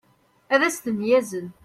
ad as-ten-yazen